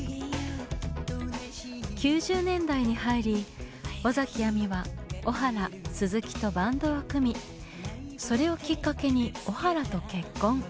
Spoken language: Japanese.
９０年代に入り尾崎亜美は小原鈴木とバンドを組みそれをきっかけに小原と結婚。